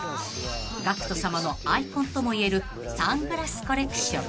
［ＧＡＣＫＴさまのアイコンともいえるサングラスコレクション］